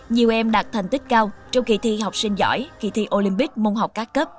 nhiều em đạt thành tích cao trong kỳ thi học sinh giỏi kỳ thi olympic môn học các cấp